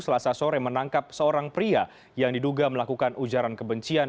selasa sore menangkap seorang pria yang diduga melakukan ujaran kebencian